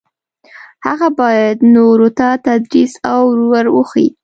هغه باید نورو ته تدریس او ور وښيي.